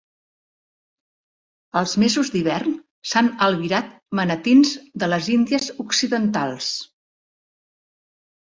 Als mesos d"hivern s"han albirat manatins de les índies occidentals.